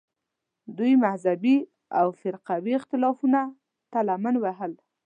دوی مذهبي او فرقوي اختلافونو ته لمن وهل